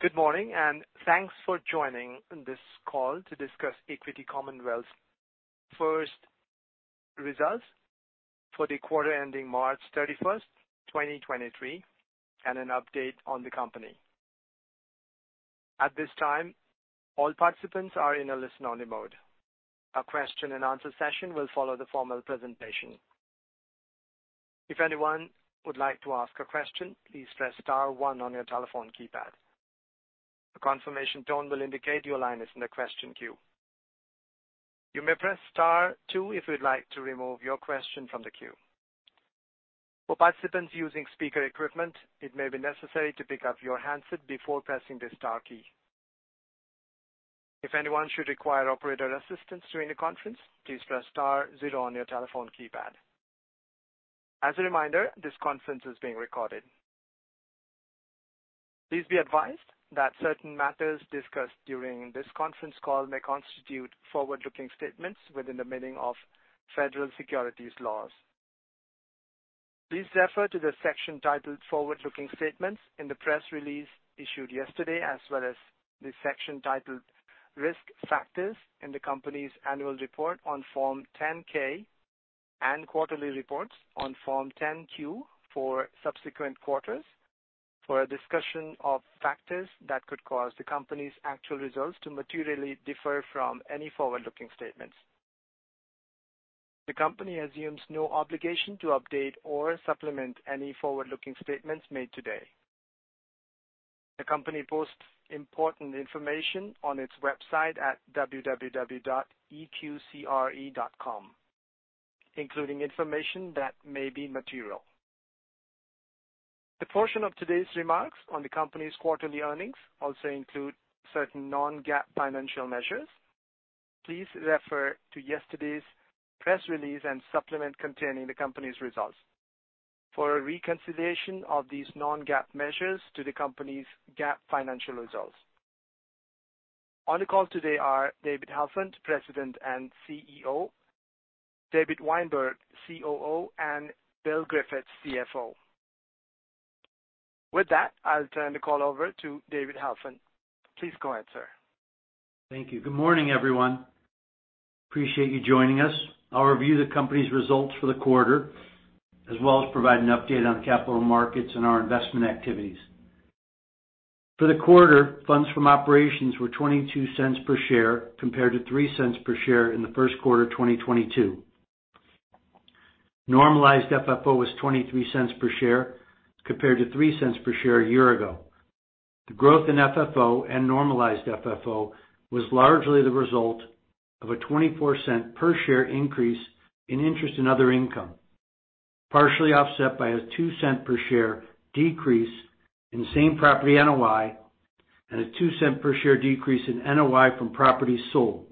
Good morning. Thanks for joining this call to discuss Equity Commonwealth's First Results for the quarter ending March 31st, 2023, and an update on the company. At this time, all participants are in a listen-only mode. A question and answer session will follow the formal presentation. If anyone would like to ask a question, please press star one on your telephone keypad. A confirmation tone will indicate your line is in the question queue. You may press star two if you'd like to remove your question from the queue. For participants using speaker equipment, it may be necessary to pick up your handset before pressing the star key. If anyone should require operator assistance during the conference, please press star zero on your telephone keypad. As a reminder, this conference is being recorded. Please be advised that certain matters discussed during this conference call may constitute forward-looking statements within the meaning of federal securities laws. Please refer to the section titled Forward-Looking Statements in the press release issued yesterday, as well as the section titled Risk Factors in the company's annual report on Form 10-K and quarterly reports on Form 10-Q for subsequent quarters for a discussion of factors that could cause the company's actual results to materially differ from any forward-looking statements. The company assumes no obligation to update or supplement any forward-looking statements made today. The company posts important information on its website at www.eqcre.com, including information that may be material. The portion of today's remarks on the company's quarterly earnings also include certain non-GAAP financial measures. Please refer to yesterday's press release and supplement containing the company's results for a reconciliation of these non-GAAP measures to the company's GAAP financial results. On the call today are David Helfand, President and Chief Executive Officer, David Weinberg, Chief Operating Officer, and Bill Griffiths, Chief Financial Officer. I'll turn the call over to David Helfand. Please go ahead, sir. Thank you. Good morning, everyone. Appreciate you joining us. I'll review the company's results for the quarter, as well as provide an update on capital markets and our investment activities. For the quarter, funds from operations were $0.22 per share compared to $0.03 per share in the 1st quarter of 2022. Normalized FFO was $0.23 per share compared to $0.03 per share a year ago. The growth in FFO and Normalized FFO was largely the result of a $0.24 per share increase in interest in other income, partially offset by a $0.02 per share decrease in same-property NOI and a $0.02 per share decrease in NOI from properties sold.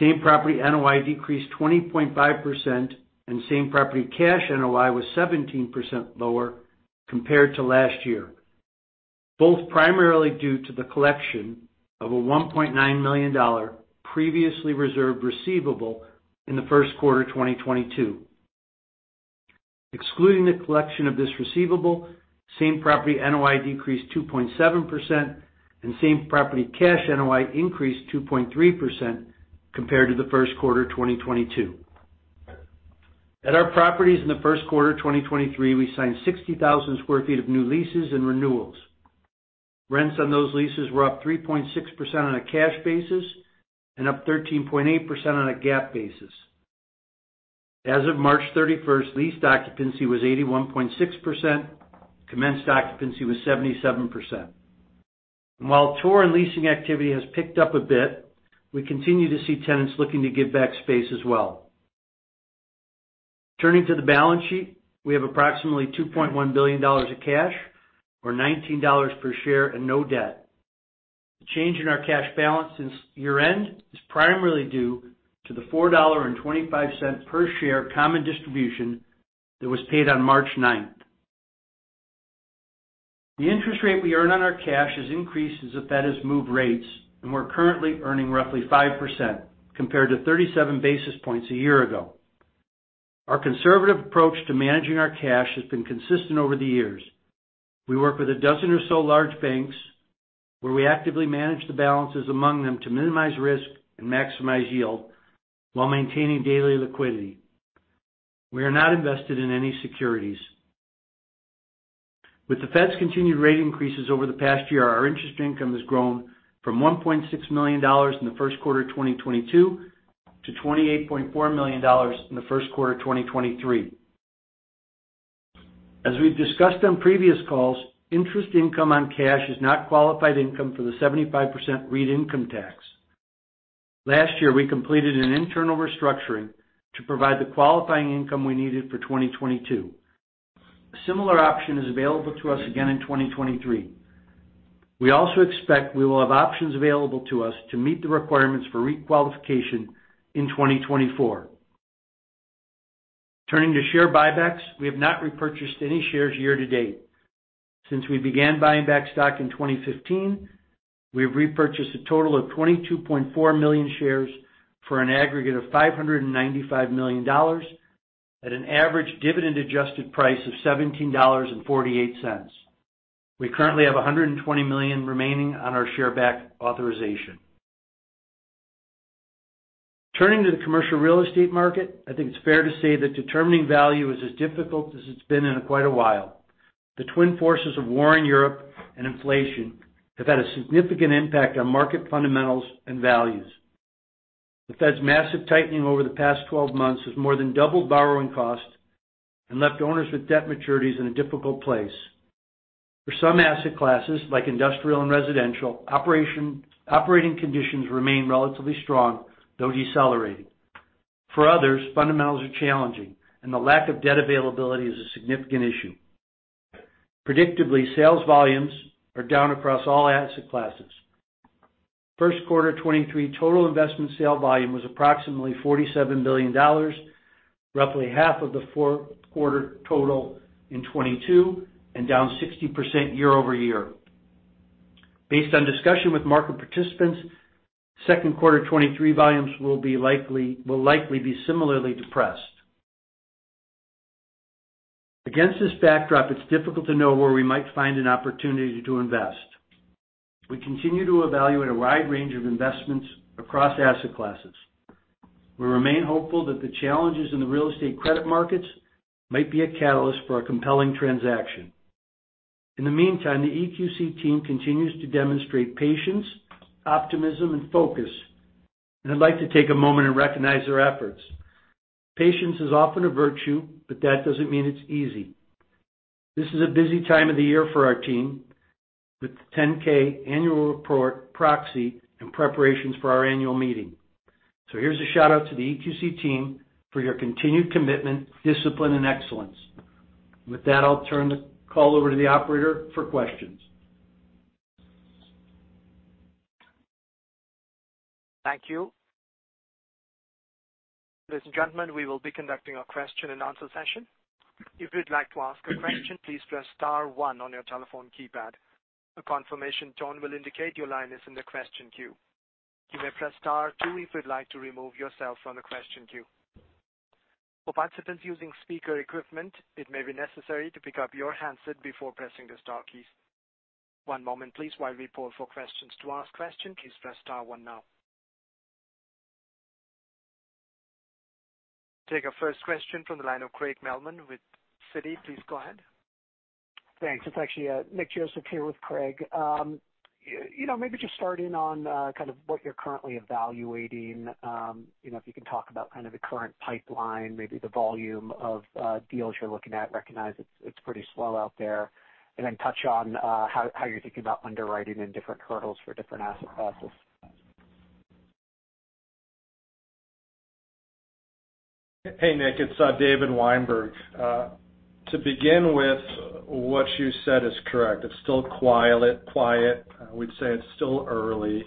Same-property NOI decreased 20.5%, and same-property cash NOI was 17% lower compared to last year, both primarily due to the collection of a $1.9 million previously reserved receivable in the first quarter of 2022. Excluding the collection of this receivable, same-property NOI decreased 2.7%, and same-property cash NOI increased 2.3% compared to the first quarter of 2022. At our properties in the first quarter of 2023, we signed 60,000 sq ft of new leases and renewals. Rents on those leases were up 3.6% on a cash basis and up 13.8% on a GAAP basis. As of March 31st, lease occupancy was 81.6%. Commenced occupancy was 77%. While tour and leasing activity has picked up a bit, we continue to see tenants looking to give back space as well. Turning to the balance sheet, we have approximately $2.1 billion of cash or $19 per share and no debt. The change in our cash balance since year-end is primarily due to the $4.25 per share common distribution that was paid on March 9th. The interest rate we earn on our cash has increased as the Fed has moved rates, and we're currently earning roughly 5% compared to 37 basis points a year ago. Our conservative approach to managing our cash has been consistent over the years. We work with 12 or so large banks where we actively manage the balances among them to minimize risk and maximize yield while maintaining daily liquidity. We are not invested in any securities. With the Fed's continued rate increases over the past year, our interest income has grown from $1.6 million in the first quarter of 2022 to $28.4 million in the first quarter of 2023. As we've discussed on previous calls, interest income on cash is not qualified income for the 75% REIT income tax. Last year, we completed an internal restructuring to provide the qualifying income we needed for 2022. A similar option is available to us again in 2023. We also expect we will have options available to us to meet the requirements for REIT qualification in 2024. Turning to share buybacks, we have not repurchased any shares year to date. Since we began buying back stock in 2015, we have repurchased a total of 22.4 million shares for an aggregate of $595 million. At an average dividend adjusted price of $17.48. We currently have $120 million remaining on our share back authorization. Turning to the commercial real estate market, I think it's fair to say that determining value is as difficult as it's been in quite a while. The twin forces of war in Europe and inflation have had a significant impact on market fundamentals and values. The Fed's massive tightening over the past 12 months has more than doubled borrowing costs and left owners with debt maturities in a difficult place. For some asset classes, like industrial and residential, operating conditions remain relatively strong, though decelerating. For others, fundamentals are challenging and the lack of debt availability is a significant issue. Predictably, sales volumes are down across all asset classes. First quarter 2023 total investment sale volume was approximately $47 billion, roughly half of the fourth quarter total in 2022 and down 60% year-over-year. Based on discussion with market participants, second quarter 2023 volumes will likely be similarly depressed. Against this backdrop, it's difficult to know where we might find an opportunity to invest. We continue to evaluate a wide range of investments across asset classes. We remain hopeful that the challenges in the real estate credit markets might be a catalyst for a compelling transaction. In the meantime, the EQC team continues to demonstrate patience, optimism, and focus. I'd like to take a moment and recognize their efforts. Patience is often a virtue, but that doesn't mean it's easy. This is a busy time of the year for our team with the 10-K annual report, proxy, and preparations for our annual meeting. Here's a shout out to the EQC team for your continued commitment, discipline, and excellence. With that, I'll turn the call over to the operator for questions. Thank you. Ladies and gentlemen, we will be conducting a question and answer session. If you'd like to ask a question, please press star one on your telephone keypad. A confirmation tone will indicate your line is in the question queue. You may press star two if you'd like to remove yourself from the question queue. For participants using speaker equipment, it may be necessary to pick up your handset before pressing the star keys. One moment please while we poll for questions. To ask question, please press star one now. Take our first question from the line of Nicholas Joseph with Citi. Please go ahead. Thanks. It's actually Nick Joseph here with Craig. You know, maybe just starting on kind of what you're currently evaluating, you know, if you can talk about kind of the current pipeline, maybe the volume of deals you're looking at, recognize it's pretty slow out there, and then touch on how you're thinking about underwriting and different hurdles for different asset classes. Hey, Nick, it's David Weinberg. To begin with, what you said is correct. It's still quiet. I would say it's still early.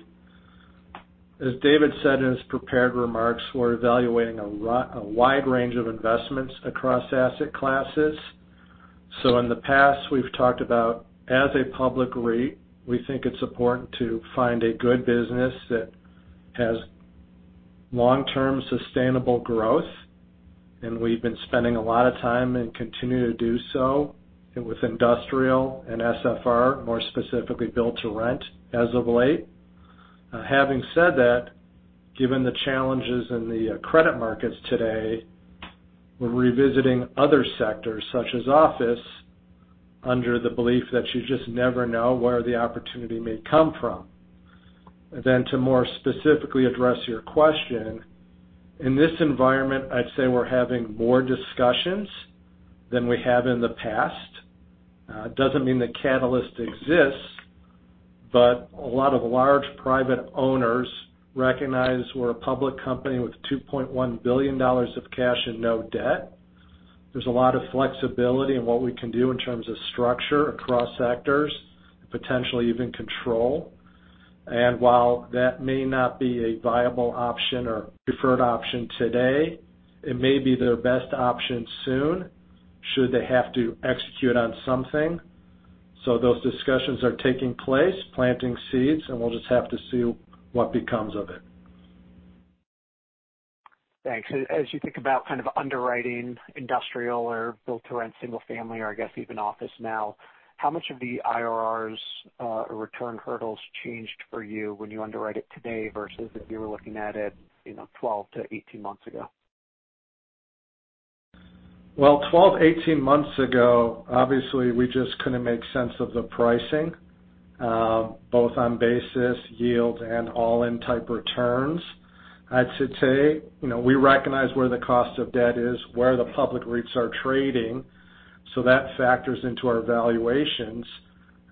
As David said in his prepared remarks, we're evaluating a wide range of investments across asset classes. In the past, we've talked about, as a public REIT, we think it's important to find a good business that has long-term sustainable growth, and we've been spending a lot of time and continue to do so with industrial and SFR, more specifically Build to Rent as of late. Having said that, given the challenges in the credit markets today, we're revisiting other sectors, such as office, under the belief that you just never know where the opportunity may come from. To more specifically address your question, in this environment, I'd say we're having more discussions than we have in the past. It doesn't mean the catalyst exists, but a lot of large private owners recognize we're a public company with $2.1 billion of cash and no debt. There's a lot of flexibility in what we can do in terms of structure across sectors, potentially even control. While that may not be a viable option or preferred option today, it may be their best option soon should they have to execute on something. Those discussions are taking place, planting seeds, and we'll just have to see what becomes of it. Thanks. As you think about kind of underwriting industrial or Build to Rent single family or I guess even office now, how much of the IRR or return hurdles changed for you when you underwrite it today versus if you were looking at it, you know, 12 to 18 months ago? Well, 12 to 18 months ago, obviously, we just couldn't make sense of the pricing, both on basis, yield, and all-in type returns. I'd should say, you know, we recognize where the cost of debt is, where the public rates are trading, so that factors into our valuations.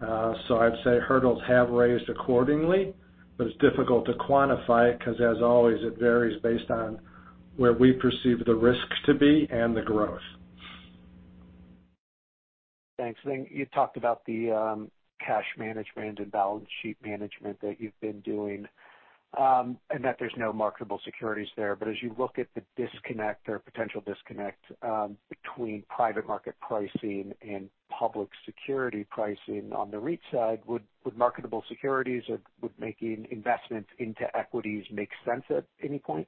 I'd say hurdles have raised accordingly, but it's difficult to quantify because as always, it varies based on where we perceive the risk to be and the growth. Thanks. You talked about the cash management and balance sheet management that you've been doing, and that there's no marketable securities there. As you look at the disconnect or potential disconnect between private market pricing and public security pricing on the REIT side, would marketable securities or would making investments into equities make sense at any point?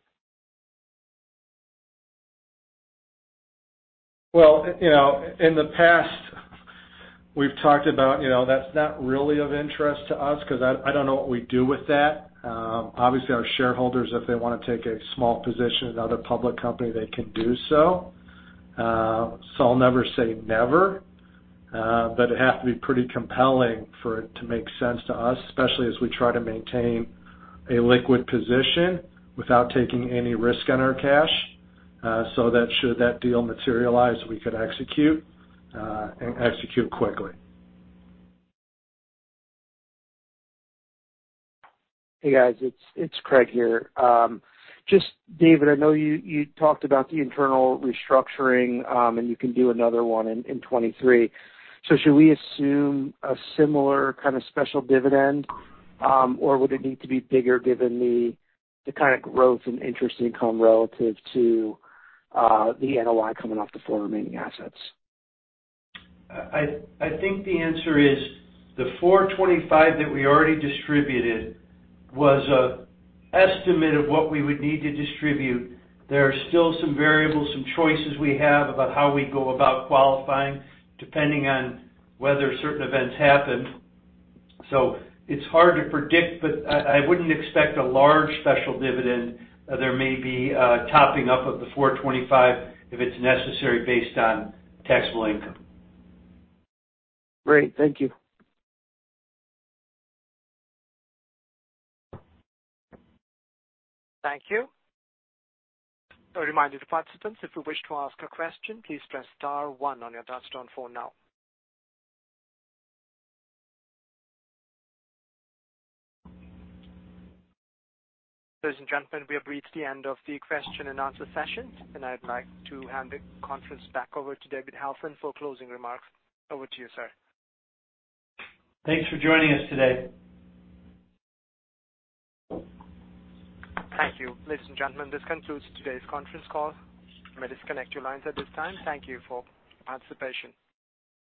Well, you know, in the past, we've talked about, you know, that's not really of interest to us because I don't know what we do with that. Obviously our shareholders, if they want to take a small position in another public company, they can do so. I'll never say never, but it'd have to be pretty compelling for it to make sense to us, especially as we try to maintain a liquid position without taking any risk on our cash, that should that deal materialize, we could execute and execute quickly. Hey, guys. It's Craig here. Just David, I know you talked about the internal restructuring, and you can do another one in 2023. Should we assume a similar kind of special dividend, or would it need to be bigger given the kind of growth in interest income relative to the NOI coming off the four remaining assets? I think the answer is the $4.25 that we already distributed was a estimate of what we would need to distribute. There are still some variables, some choices we have about how we go about qualifying depending on whether certain events happened. It's hard to predict, but I wouldn't expect a large special dividend. There may be a topping up of the $4.25 if it's necessary based on taxable income. Great. Thank you. Thank you. A reminder to participants, if you wish to ask a question, please press star one on your touchtone phone now. Ladies and gentlemen, we have reached the end of the question and answer session. I'd like to hand the conference back over to David Helfand for closing remarks. Over to you, sir. Thanks for joining us today. Thank you. Ladies and gentlemen, this concludes today's conference call. You may disconnect your lines at this time. Thank you for participation.